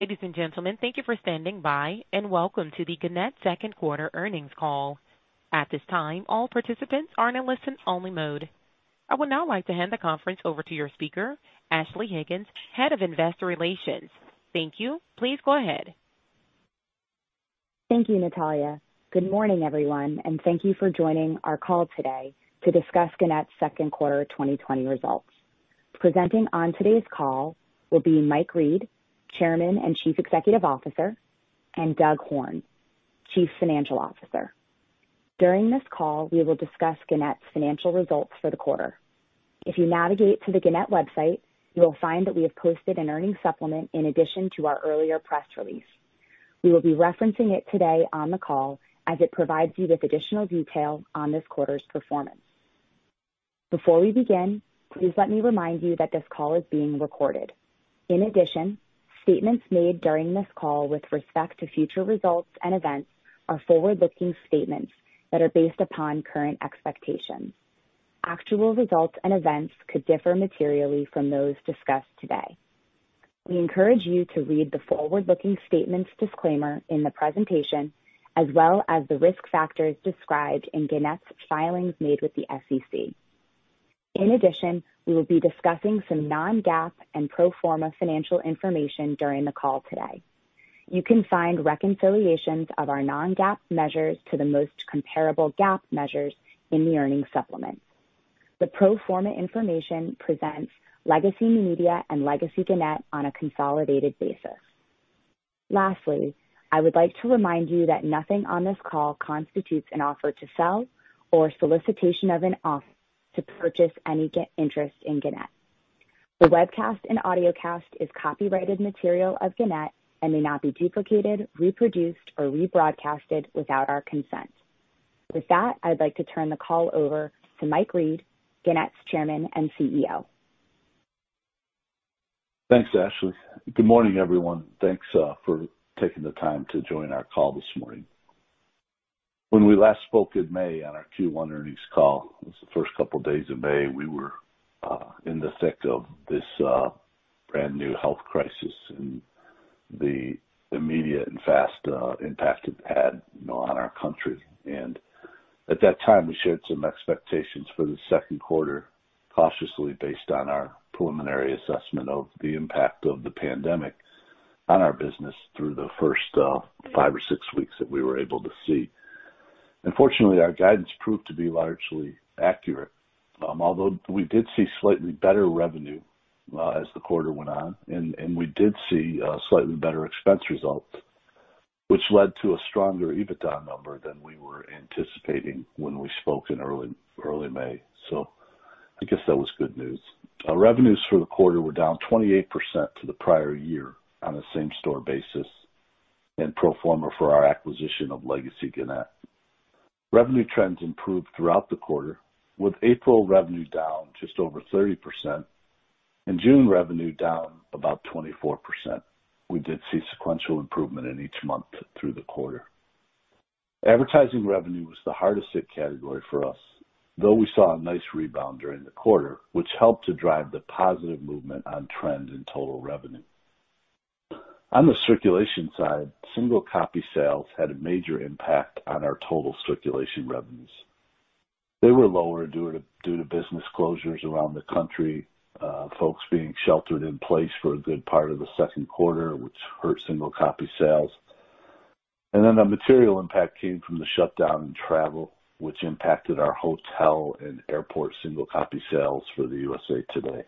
Ladies and gentlemen, thank you for standing by and welcome to the Gannett second quarter earnings call. At this time, all participants are in listen-only mode. I would now like to hand the conference over to your speaker, Ashley Higgins, Head of Investor Relations. Thank you. Please go ahead. Thank you, Natalia. Good morning, everyone, and thank you for joining our call today to discuss Gannett's second quarter 2020 results. Presenting on today's call will be Mike Reed, Chairman and Chief Executive Officer, and Doug Horne, Chief Financial Officer. During this call, we will discuss Gannett's financial results for the quarter. If you navigate to the Gannett website, you will find that we have posted an earnings supplement in addition to our earlier press release. We will be referencing it today on the call as it provides you with additional detail on this quarter's performance. Before we begin, please let me remind you that this call is being recorded. In addition, statements made during this call with respect to future results and events are forward-looking statements that are based upon current expectations. Actual results and events could differ materially from those discussed today. We encourage you to read the forward-looking statements disclaimer in the presentation, as well as the risk factors described in Gannett's filings made with the SEC. In addition, we will be discussing some non-GAAP and pro forma financial information during the call today. You can find reconciliations of our non-GAAP measures to the most comparable GAAP measures in the earnings supplement. The pro forma information presents Legacy New Media and Legacy Gannett on a consolidated basis. I would like to remind you that nothing on this call constitutes an offer to sell or solicitation of an offer to purchase any interest in Gannett. The webcast and audiocast is copyrighted material of Gannett and may not be duplicated, reproduced, or rebroadcasted without our consent. I'd like to turn the call over to Mike Reed, Gannett's Chairman and CEO. Thanks, Ashley. Good morning, everyone. Thanks for taking the time to join our call this morning. When we last spoke in May on our Q1 earnings call, it was the first couple days of May, we were in the thick of this brand-new health crisis and the immediate and fast impact it had on our country. At that time, we shared some expectations for the second quarter cautiously based on our preliminary assessment of the impact of the pandemic on our business through the first five or six weeks that we were able to see. Unfortunately, our guidance proved to be largely accurate. We did see slightly better revenue as the quarter went on, and we did see slightly better expense results, which led to a stronger EBITDA number than we were anticipating when we spoke in early May. I guess that was good news. Our revenues for the quarter were down 28% to the prior year on a same-store basis and pro forma for our acquisition of Legacy Gannett. Revenue trends improved throughout the quarter, with April revenue down just over 30% and June revenue down about 24%. We did see sequential improvement in each month through the quarter. Advertising revenue was the hardest hit category for us, though we saw a nice rebound during the quarter, which helped to drive the positive movement on trend in total revenue. On the circulation side, single-copy sales had a major impact on our total circulation revenues. They were lower due to business closures around the country, folks being sheltered in place for a good part of the second quarter, which hurt single copy sales. Then a material impact came from the shutdown in travel, which impacted our hotel and airport single-copy sales for the USA TODAY.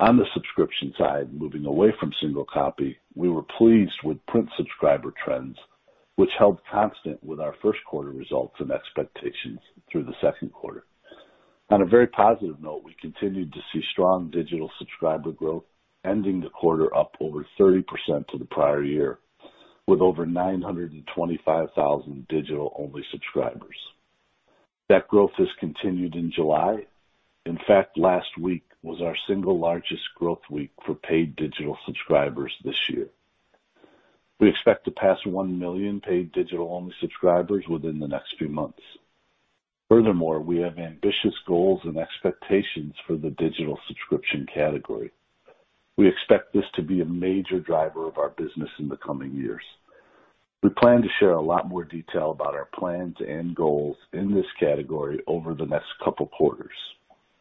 On the subscription side, moving away from single copy, we were pleased with print subscriber trends, which held constant with our first quarter results and expectations through the second quarter. On a very positive note, we continued to see strong digital subscriber growth, ending the quarter up over 30% to the prior year, with over 925,000 digital-only subscribers. That growth has continued in July. In fact, last week was our single largest growth week for paid digital subscribers this year. We expect to pass 1 million paid digital-only subscribers within the next few months. Furthermore, we have ambitious goals and expectations for the digital subscription category. We expect this to be a major driver of our business in the coming years. We plan to share a lot more detail about our plans and goals in this category over the next couple quarters,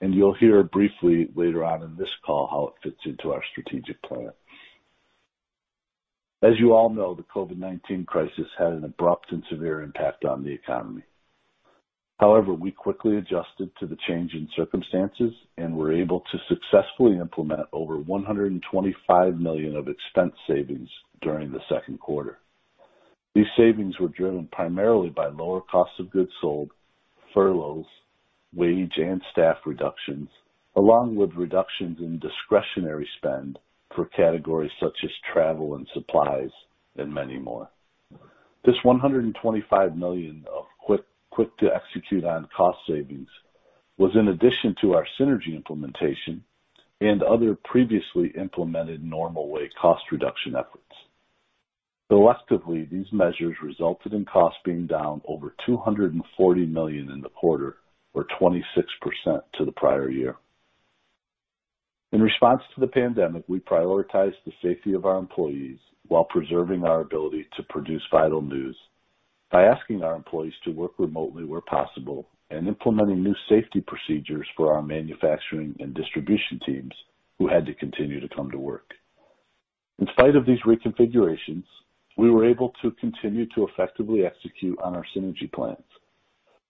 and you'll hear briefly later on in this call how it fits into our strategic plan. As you all know, the COVID-19 crisis had an abrupt and severe impact on the economy. However, we quickly adjusted to the change in circumstances and were able to successfully implement over $125 million of expense savings during the second quarter. These savings were driven primarily by lower cost of goods sold, furloughs, wage and staff reductions, along with reductions in discretionary spend for categories such as travel and supplies and many more. This $125 million of quick-to-execute-on cost savings was in addition to our synergy implementation and other previously implemented normal way cost reduction efforts. Collectively, these measures resulted in costs being down over $240 million in the quarter, or 26% to the prior year. In response to the pandemic, we prioritized the safety of our employees while preserving our ability to produce vital news by asking our employees to work remotely where possible and implementing new safety procedures for our manufacturing and distribution teams who had to continue to come to work. In spite of these reconfigurations, we were able to continue to effectively execute on our synergy plans,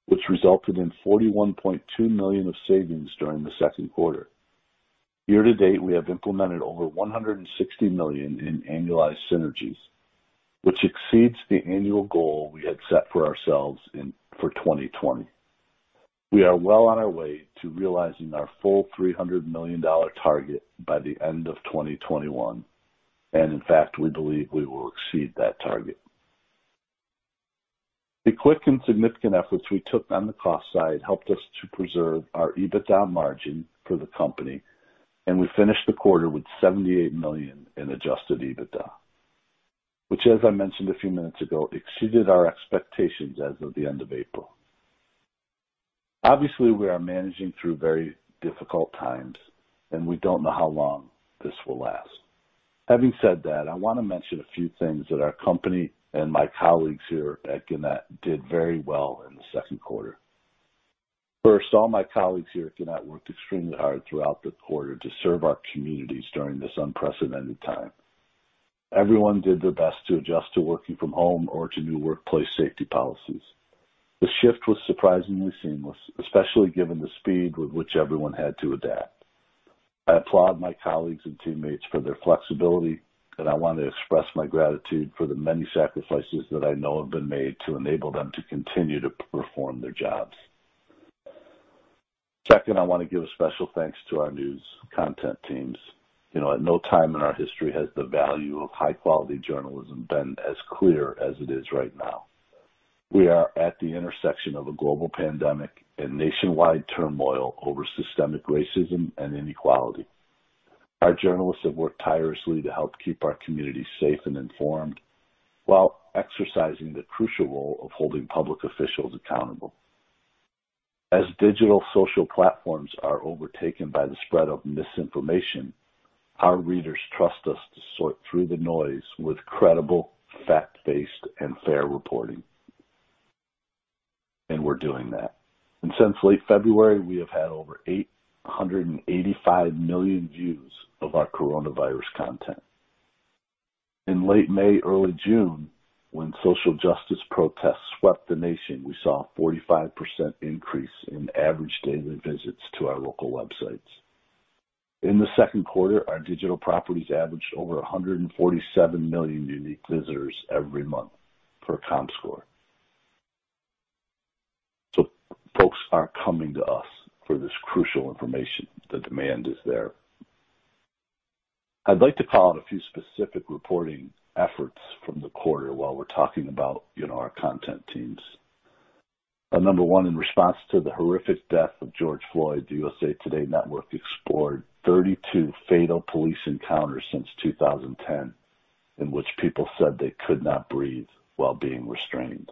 which resulted in $41.2 million of savings during the second quarter. Year-to-date, we have implemented over $160 million in annualized synergies, which exceeds the annual goal we had set for ourselves for 2020. We are well on our way to realizing our full $300 million target by the end of 2021, and in fact, we believe we will exceed that target. The quick and significant efforts we took on the cost side helped us to preserve our EBITDA margin for the company, and we finished the quarter with $78 million in adjusted EBITDA, which as I mentioned a few minutes ago, exceeded our expectations as of the end of April. Obviously, we are managing through very difficult times, and we don't know how long this will last. Having said that, I want to mention a few things that our company and my colleagues here at Gannett did very well in the second quarter. First, all my colleagues here at Gannett worked extremely hard throughout the quarter to serve our communities during this unprecedented time. Everyone did their best to adjust to working from home or to new workplace safety policies. The shift was surprisingly seamless, especially given the speed with which everyone had to adapt. I applaud my colleagues and teammates for their flexibility, and I want to express my gratitude for the many sacrifices that I know have been made to enable them to continue to perform their jobs. Second, I want to give a special thanks to our news content teams. At no time in our history has the value of high-quality journalism been as clear as it is right now. We are at the intersection of a global pandemic and nationwide turmoil over systemic racism and inequality. Our journalists have worked tirelessly to help keep our communities safe and informed while exercising the crucial role of holding public officials accountable. As digital social platforms are overtaken by the spread of misinformation, our readers trust us to sort through the noise with credible, fact-based, and fair reporting, and we're doing that. Since late February, we have had over 885 million views of our coronavirus content. In late May, early June, when social justice protests swept the nation, we saw a 45% increase in average daily visits to our local websites. In the second quarter, our digital properties averaged over 147 million unique visitors every month per Comscore. Folks are coming to us for this crucial information. The demand is there. I'd like to call out a few specific reporting efforts from the quarter while we're talking about our content teams. Number one, in response to the horrific death of George Floyd, the USA TODAY Network explored 32 fatal police encounters since 2010 in which people said they could not breathe while being restrained.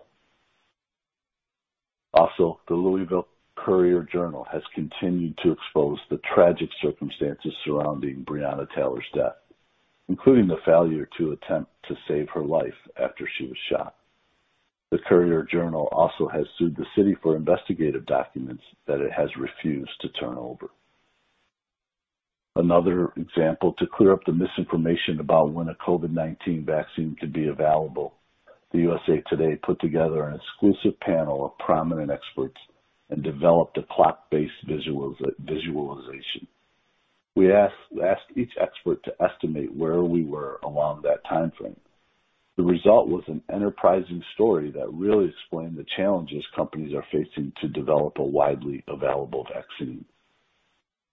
Also, the Louisville Courier Journal has continued to expose the tragic circumstances surrounding Breonna Taylor's death, including the failure to attempt to save her life after she was shot. The Courier Journal also has sued the city for investigative documents that it has refused to turn over. Another example, to clear up the misinformation about when a COVID-19 vaccine could be available, the USA TODAY put together an exclusive panel of prominent experts and developed a clock-based visualization. We asked each expert to estimate where we were along that timeframe. The result was an enterprising story that really explained the challenges companies are facing to develop a widely available vaccine.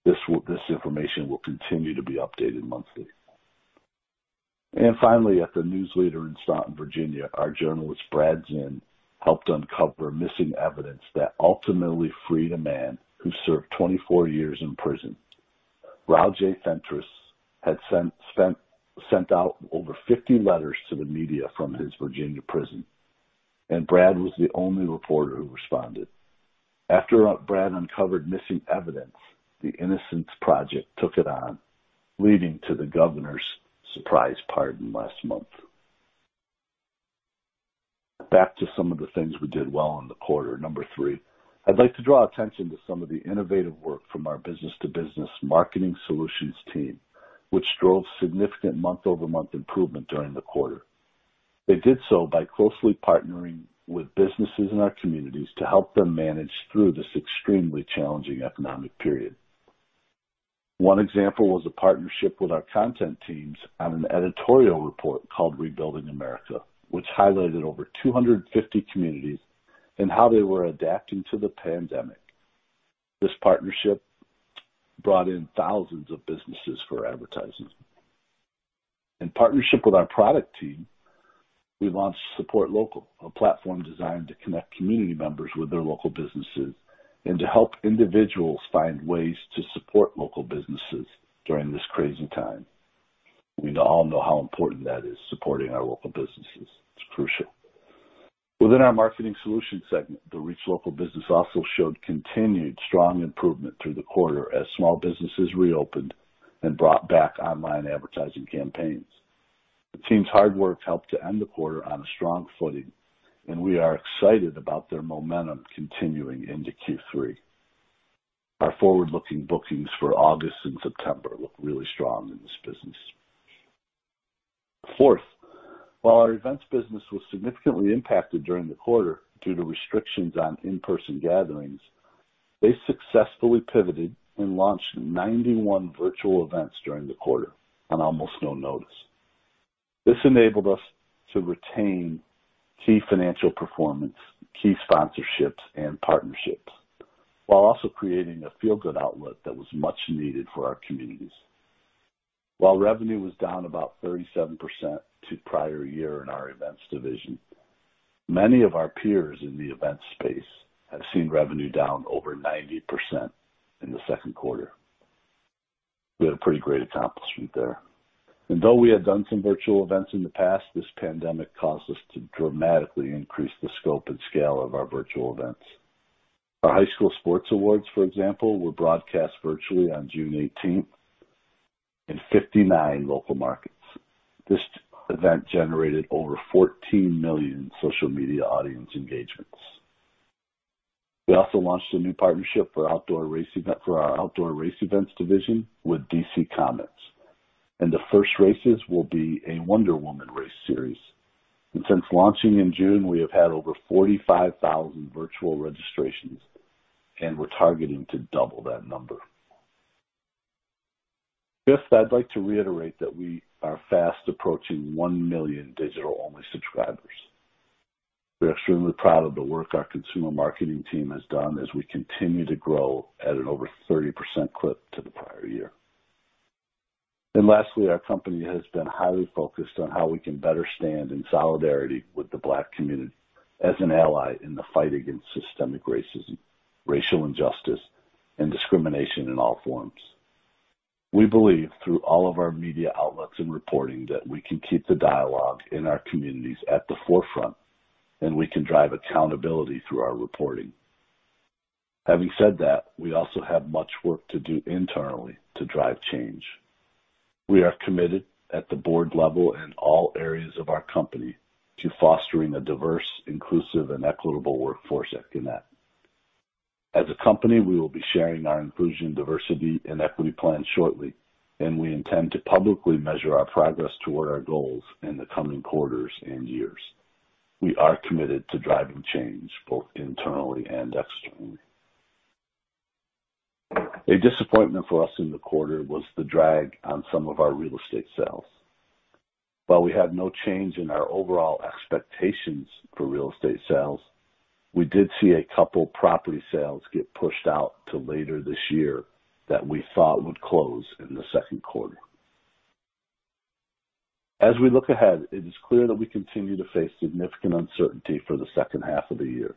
This information will continue to be updated monthly. Finally, at The News Leader in Staunton, Virginia, our journalist Brad Zinn helped uncover missing evidence that ultimately freed a man who served 24 years in prison. Rojai Fentress had sent out over 50 letters to the media from his Virginia prison. Brad was the only reporter who responded. After Brad uncovered missing evidence, the Innocence Project took it on, leading to the Governor's surprise pardon last month. Back to some of the things we did well in the quarter. Number three, I'd like to draw attention to some of the innovative work from our business-to-business marketing solutions team, which drove significant month-over-month improvement during the quarter. They did so by closely partnering with businesses in our communities to help them manage through this extremely challenging economic period. One example was a partnership with our content teams on an editorial report called Rebuilding America, which highlighted over 250 communities and how they were adapting to the pandemic. This partnership brought in thousands of businesses for advertising. In partnership with our product team, we launched Support Local, a platform designed to connect community members with their local businesses. To help individuals find ways to support local businesses during this crazy time. We all know how important that is, supporting our local businesses. It's crucial. Within our Marketing Solutions segment, the ReachLocal business also showed continued strong improvement through the quarter as small businesses reopened and brought back online advertising campaigns. The team's hard work helped to end the quarter on a strong footing. We are excited about their momentum continuing into Q3. Our forward-looking bookings for August and September look really strong in this business. Fourth, while our events business was significantly impacted during the quarter due to restrictions on in-person gatherings, they successfully pivoted and launched 91 virtual events during the quarter on almost no notice. This enabled us to retain key financial performance, key sponsorships, and partnerships, while also creating a feel-good outlet that was much needed for our communities. While revenue was down about 37% to prior year in our events division, many of our peers in the event space have seen revenue down over 90% in the second quarter. We had a pretty great accomplishment there. Though we had done some virtual events in the past, this pandemic caused us to dramatically increase the scope and scale of our virtual events. Our High School Sports Awards, for example, were broadcast virtually on June 18th in 59 local markets. This event generated over 14 million social media audience engagements. We also launched a new partnership for our outdoor race events division with DC Comics. The first races will be a Wonder Woman Race Series. Since launching in June, we have had over 45,000 virtual registrations, and we're targeting to double that number. Fifth, I'd like to reiterate that we are fast approaching 1 million digital-only subscribers. We're extremely proud of the work our consumer marketing team has done as we continue to grow at an over 30% clip to the prior year. Lastly, our company has been highly focused on how we can better stand in solidarity with the Black community as an ally in the fight against systemic racism, racial injustice, and discrimination in all forms. We believe through all of our media outlets and reporting that we can keep the dialogue in our communities at the forefront, and we can drive accountability through our reporting. Having said that, we also have much work to do internally to drive change. We are committed at the Board level and all areas of our company to fostering a diverse, inclusive, and equitable workforce at Gannett. As a company, we will be sharing our inclusion, diversity, and equity plan shortly, and we intend to publicly measure our progress toward our goals in the coming quarters and years. We are committed to driving change both internally and externally. A disappointment for us in the quarter was the drag on some of our real estate sales. While we had no change in our overall expectations for real estate sales, we did see a couple property sales get pushed out to later this year that we thought would close in the second quarter. As we look ahead, it is clear that we continue to face significant uncertainty for the second half of the year.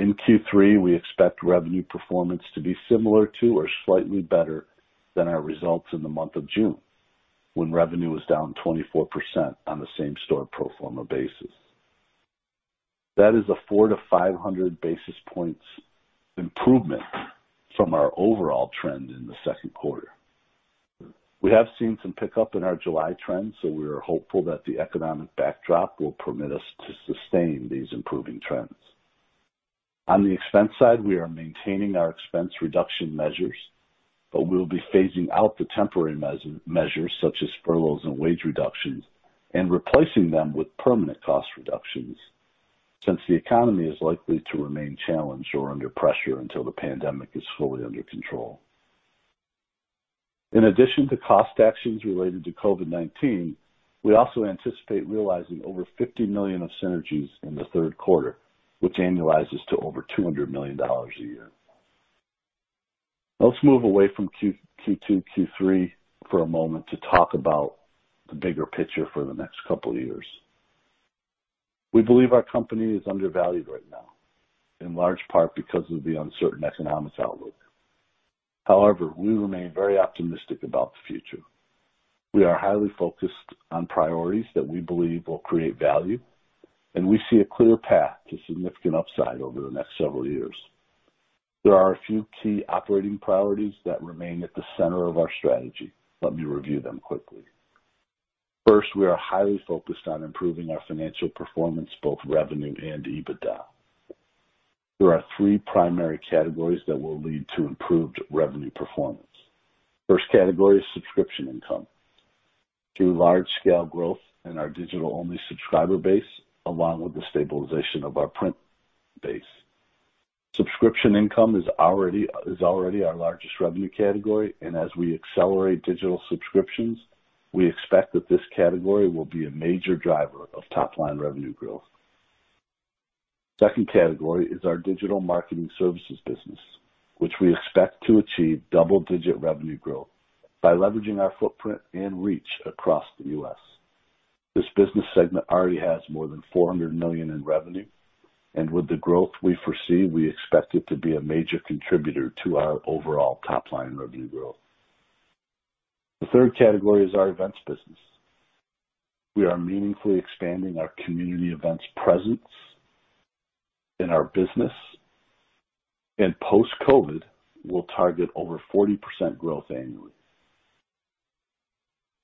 In Q3, we expect revenue performance to be similar to or slightly better than our results in the month of June, when revenue was down 24% on the same-store pro forma basis. That is a 400-500 basis points improvement from our overall trend in the second quarter. We have seen some pickup in our July trends, so we are hopeful that the economic backdrop will permit us to sustain these improving trends. On the expense side, we are maintaining our expense reduction measures, but we'll be phasing out the temporary measures such as furloughs and wage reductions and replacing them with permanent cost reductions, since the economy is likely to remain challenged or under pressure until the pandemic is fully under control. In addition to cost actions related to COVID-19, we also anticipate realizing over $50 million of synergies in the third quarter, which annualizes to over $200 million a year. Let's move away from Q2, Q3 for a moment to talk about the bigger picture for the next couple of years. We believe our company is undervalued right now, in large part because of the uncertain economics outlook. However, we remain very optimistic about the future. We are highly focused on priorities that we believe will create value, and we see a clear path to significant upside over the next several years. There are a few key operating priorities that remain at the center of our strategy. Let me review them quickly. First, we are highly focused on improving our financial performance, both revenue and EBITDA. There are three primary categories that will lead to improved revenue performance. First category is subscription income through large-scale growth in our digital-only subscriber base, along with the stabilization of our print base. Subscription income is already our largest revenue category, and as we accelerate digital subscriptions, we expect that this category will be a major driver of top-line revenue growth. Second category is our digital marketing services business, which we expect to achieve double-digit revenue growth by leveraging our footprint and reach across the U.S. This business segment already has more than $400 million in revenue, and with the growth we foresee, we expect it to be a major contributor to our overall top-line revenue growth. The third category is our events business. We are meaningfully expanding our community events presence in our business, and post-COVID, we'll target over 40% growth annually.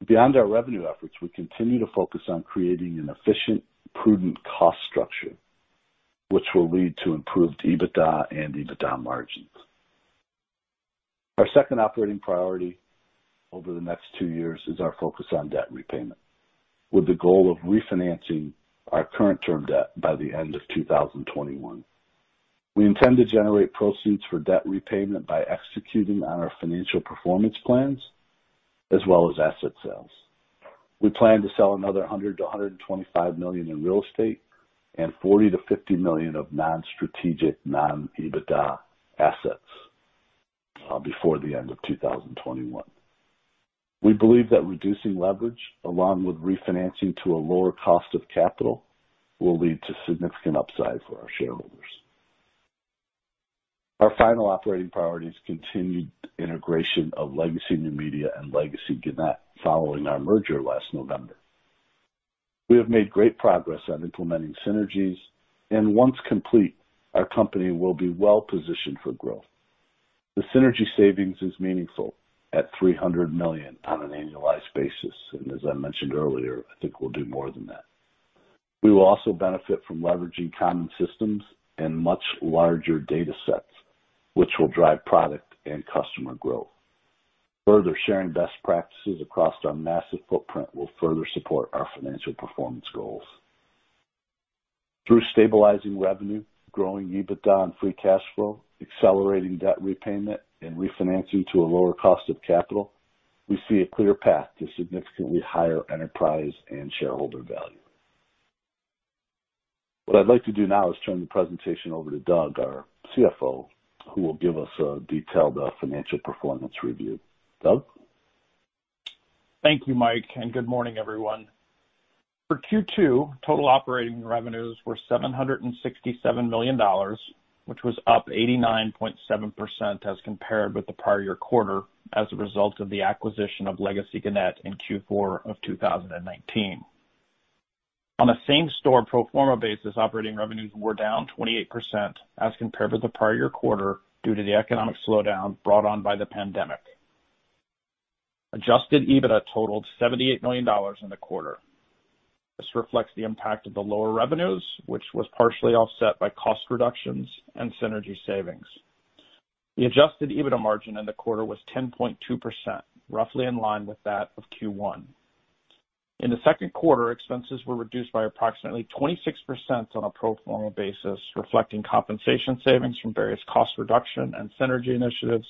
Beyond our revenue efforts, we continue to focus on creating an efficient, prudent cost structure which will lead to improved EBITDA and EBITDA margins. Our second operating priority over the next two years is our focus on debt repayment, with the goal of refinancing our current term debt by the end of 2021. We intend to generate proceeds for debt repayment by executing on our financial performance plans as well as asset sales. We plan to sell another $100 million-$125 million in real estate and $40 million-$50 million of non-strategic, non-EBITDA assets, before the end of 2021. We believe that reducing leverage, along with refinancing to a lower cost of capital, will lead to significant upside for our shareholders. Our final operating priority is continued integration of Legacy New Media and Legacy Gannett following our merger last November. We have made great progress on implementing synergies, and once complete, our company will be well-positioned for growth. The synergy savings is meaningful at $300 million on an annualized basis. As I mentioned earlier, I think we'll do more than that. We will also benefit from leveraging common systems and much larger data sets, which will drive product and customer growth. Further, sharing best practices across our massive footprint will further support our financial performance goals. Through stabilizing revenue, growing EBITDA and free cash flow, accelerating debt repayment, and refinancing to a lower cost of capital, we see a clear path to significantly higher enterprise and shareholder value. What I'd like to do now is turn the presentation over to Doug, our CFO, who will give us a detailed financial performance review. Doug? Thank you, Mike, and good morning, everyone. For Q2, total operating revenues were $767 million, which was up 89.7% as compared with the prior year quarter as a result of the acquisition of Legacy Gannett in Q4 of 2019. On a same-store pro forma basis, operating revenues were down 28% as compared to the prior-year quarter due to the economic slowdown brought on by the pandemic. Adjusted EBITDA totaled $78 million in the quarter. This reflects the impact of the lower revenues, which was partially offset by cost reductions and synergy savings. The adjusted EBITDA margin in the quarter was 10.2%, roughly in line with that of Q1. In the second quarter, expenses were reduced by approximately 26% on a pro forma basis, reflecting compensation savings from various cost reduction and synergy initiatives,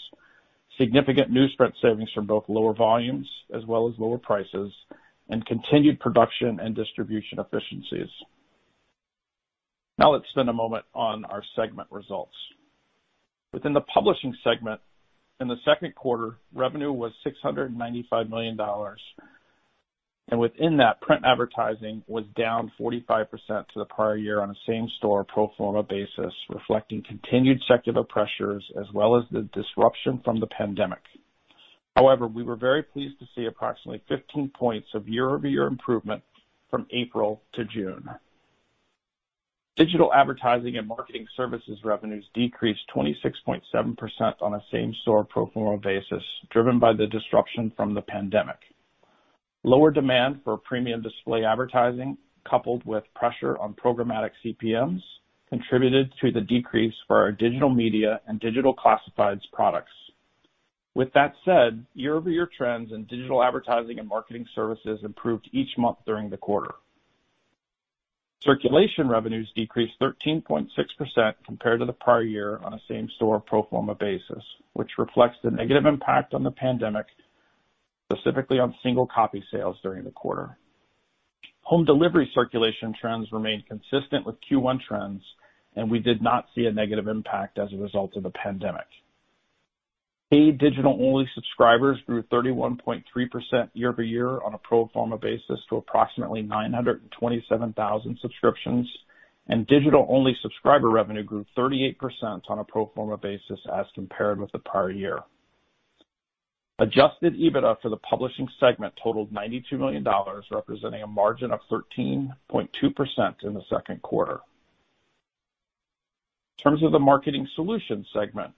significant newsprint savings from both lower volumes as well as lower prices, and continued production and distribution efficiencies. Now let's spend a moment on our segment results. Within the Publishing segment, in the second quarter, revenue was $695 million. Within that, print advertising was down 45% to the prior year on a same-store pro forma basis, reflecting continued secular pressures as well as the disruption from the pandemic. However, we were very pleased to see approximately 15 points of year-over-year improvement from April to June. Digital advertising and marketing services revenues decreased 26.7% on a same-store pro forma basis, driven by the disruption from the pandemic. Lower demand for premium display advertising, coupled with pressure on programmatic CPMs, contributed to the decrease for our digital media and digital classifieds products. With that said, year-over-year trends in digital advertising and marketing services improved each month during the quarter. Circulation revenues decreased 13.6% compared to the prior year on a same-store pro forma basis, which reflects the negative impact on the pandemic, specifically on single copy sales during the quarter. Home delivery circulation trends remained consistent with Q1 trends, and we did not see a negative impact as a result of the pandemic. Paid digital-only subscribers grew 31.3% year-over-year on a pro forma basis to approximately 927,000 subscriptions, and digital-only subscriber revenue grew 38% on a pro forma basis as compared with the prior year. Adjusted EBITDA for the Publishing segment totaled $92 million, representing a margin of 13.2% in the second quarter. In terms of the Marketing Solutions segment,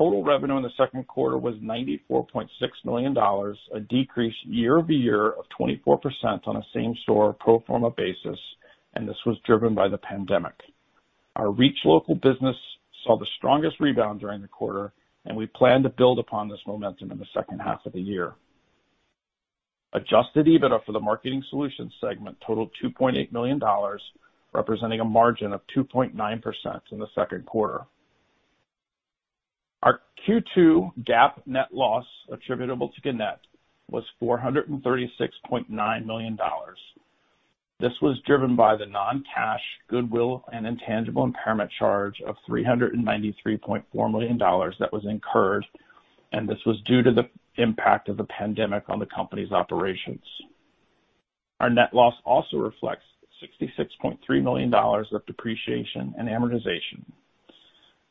total revenue in the second quarter was $94.6 million, a decrease year-over-year of 24% on a same-store pro forma basis, and this was driven by the pandemic. Our ReachLocal business saw the strongest rebound during the quarter, and we plan to build upon this momentum in the second half of the year. Adjusted EBITDA for the Marketing Solutions segment totaled $2.8 million, representing a margin of 2.9% in the second quarter. Our Q2 GAAP net loss attributable to Gannett was $436.9 million. This was driven by the non-cash goodwill and intangible impairment charge of $393.4 million that was incurred, and this was due to the impact of the pandemic on the company's operations. Our net loss also reflects $66.3 million of depreciation and amortization.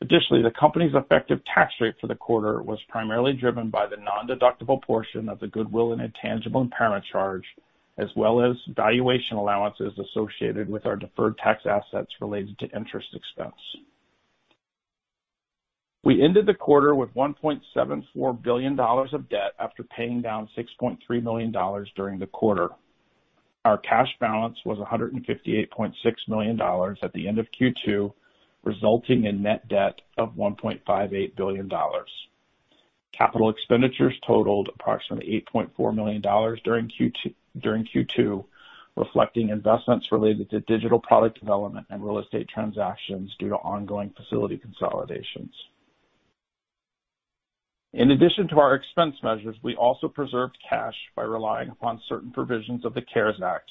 Additionally, the company's effective tax rate for the quarter was primarily driven by the non-deductible portion of the goodwill and intangible impairment charge, as well as valuation allowances associated with our deferred tax assets related to interest expense. We ended the quarter with $1.74 billion of debt after paying down $6.3 million during the quarter. Our cash balance was $158.6 million at the end of Q2, resulting in net debt of $1.58 billion. Capital expenditures totaled approximately $8.4 million during Q2, reflecting investments related to digital product development and real estate transactions due to ongoing facility consolidations. In addition to our expense measures, we also preserved cash by relying upon certain provisions of the CARES Act,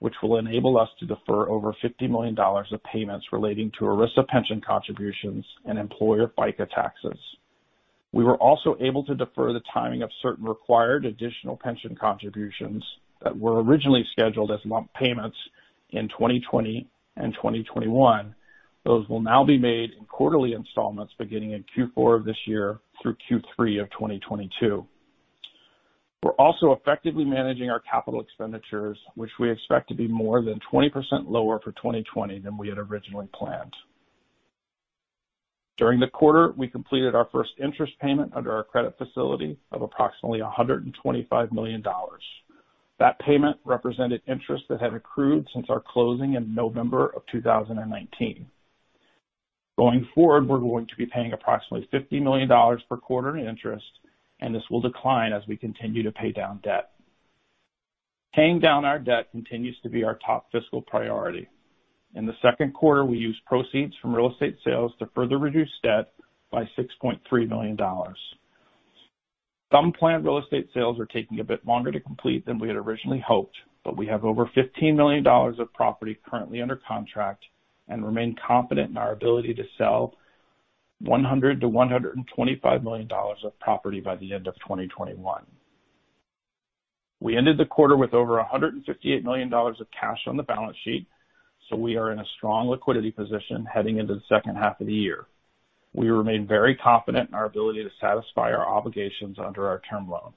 which will enable us to defer over $50 million of payments relating to ERISA pension contributions and employer FICA taxes. We were also able to defer the timing of certain required additional pension contributions that were originally scheduled as lump payments in 2020 and 2021. Those will now be made in quarterly installments beginning in Q4 of this year through Q3 of 2022. We're also effectively managing our capital expenditures, which we expect to be more than 20% lower for 2020 than we had originally planned. During the quarter, we completed our first interest payment under our credit facility of approximately $125 million. That payment represented interest that had accrued since our closing in November of 2019. Going forward, we're going to be paying approximately $50 million per quarter in interest, and this will decline as we continue to pay down debt. Paying down our debt continues to be our top fiscal priority. In the second quarter, we used proceeds from real estate sales to further reduce debt by $6.3 million. Some planned real estate sales are taking a bit longer to complete than we had originally hoped. We have over $15 million of property currently under contract and remain confident in our ability to sell $100 million-$125 million of property by the end of 2021. We ended the quarter with over $158 million of cash on the balance sheet. We are in a strong liquidity position heading into the second half of the year. We remain very confident in our ability to satisfy our obligations under our term loan.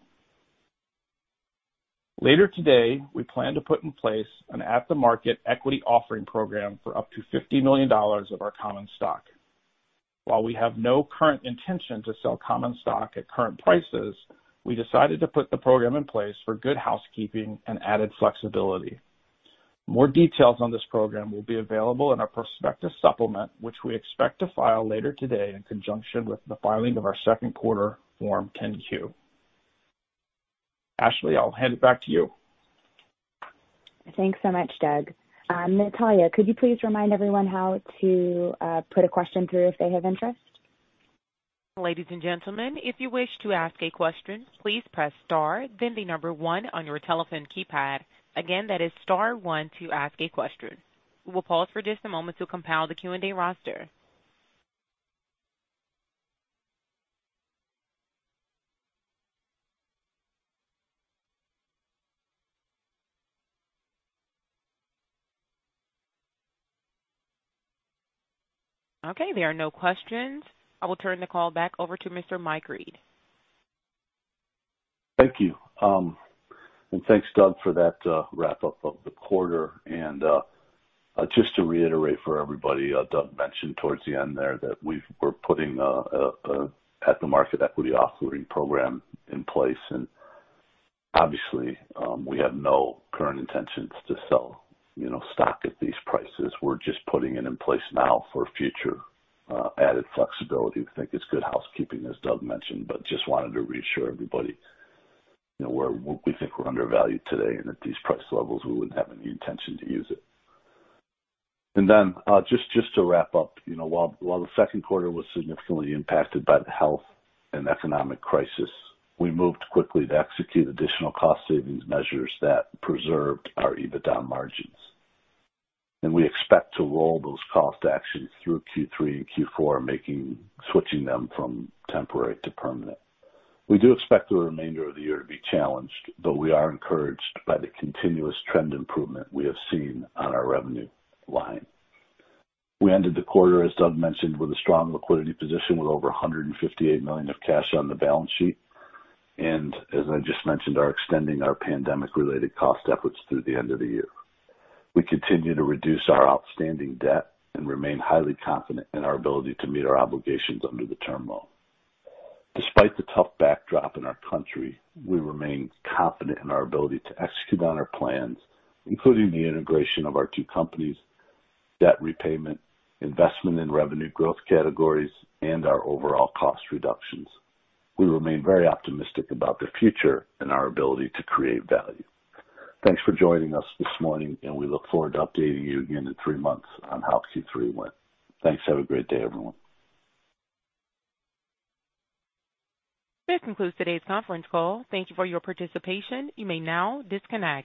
Later today, we plan to put in place an at-the-market equity offering program for up to $50 million of our common stock. While we have no current intention to sell common stock at current prices, we decided to put the program in place for good housekeeping and added flexibility. More details on this program will be available in our prospective supplement, which we expect to file later today in conjunction with the filing of our second quarter Form 10-Q. Ashley, I'll hand it back to you. Thanks so much, Doug. Natalia, could you please remind everyone how to put a question through if they have interest? Ladies and gentlemen, if you wish to ask a question, please press star then the number one on your telephone keypad. Again, that is star one to ask a question. We will pause for just a moment to compile the Q&A roster. Okay, there are no questions. I will turn the call back over to Mr. Mike Reed. Thank you. Thanks, Doug, for that wrap-up of the quarter. Just to reiterate for everybody, Doug mentioned towards the end there that we're putting an at-the-market equity offering program in place. Obviously, we have no current intentions to sell stock at these prices. We're just putting it in place now for future added flexibility. We think it's good housekeeping, as Doug mentioned, but just wanted to reassure everybody. We think we're undervalued today, and at these price levels, we wouldn't have any intention to use it. Just to wrap up. While the second quarter was significantly impacted by the health and economic crisis, we moved quickly to execute additional cost savings measures that preserved our EBITDA margins. We expect to roll those cost actions through Q3 and Q4, switching them from temporary to permanent. We do expect the remainder of the year to be challenged, though we are encouraged by the continuous trend improvement we have seen on our revenue line. We ended the quarter, as Doug mentioned, with a strong liquidity position with over $158 million of cash on the balance sheet. As I just mentioned, are extending our pandemic-related cost efforts through the end of the year. We continue to reduce our outstanding debt and remain highly confident in our ability to meet our obligations under the term loan. Despite the tough backdrop in our country, we remain confident in our ability to execute on our plans, including the integration of our two companies, debt repayment, investment in revenue growth categories, and our overall cost reductions. We remain very optimistic about the future and our ability to create value. Thanks for joining us this morning, and we look forward to updating you again in three months on how Q3 went. Thanks. Have a great day, everyone. This concludes today's conference call. Thank you for your participation. You may now disconnect.